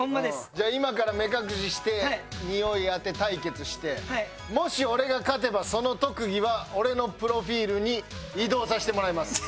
じゃあ今から目隠しして匂い当て対決してもし俺が勝てばその特技は俺のプロフィールに移動させてもらいます。